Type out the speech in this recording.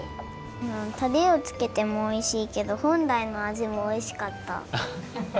タレをつけてもおいしいけどほんらいのあじもおいしかった。